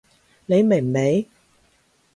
你明未？